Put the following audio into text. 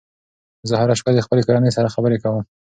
زه هره شپه د خپلې کورنۍ سره خبرې کوم.